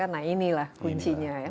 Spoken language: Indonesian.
nah inilah kuncinya ya